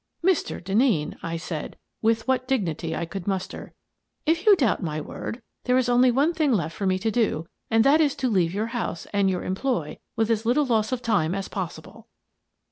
" Mr. Denneen," said I, with what dignity I could muster, " if you doubt my word, there is only one thing left for me to do, and that is to leave your house and your employ with as little loss of time as possible."